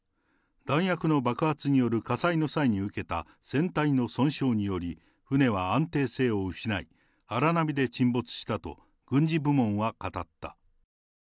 弾薬の爆発による火災の際に受けた船体の損傷により、船は安定性を失い、荒波で沈没したと軍事部門は語った。